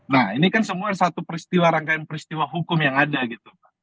nah ini kan semua satu peristiwa rangkaian peristiwa hukum yang ada gitu